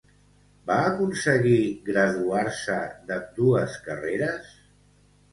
Va aconseguir graduar-se d'ambdues carreres?